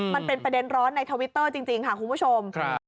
มันเป็นประเด็นร้อนในทวิตเตอร์จริงค่ะคุณผู้ชม